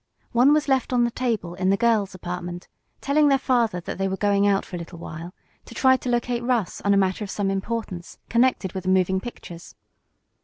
One was left on the table in the girls' apartment, telling their father that they were going out for a little while, to try to locate Russ on a matter of some importance connected with the moving pictures.